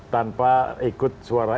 tanpa ikut suara